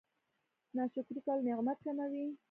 ناشکري کول نعمت کموي